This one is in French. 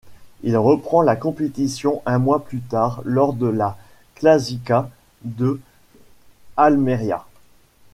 Il reprend la compétition un mois plus tard lors de la Clásica de Almería.